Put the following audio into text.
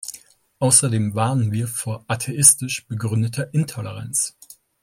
Außerdem warnen wir vor atheistisch begründeter Intoleranz.